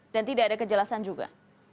dan tidak ada kejelasan juga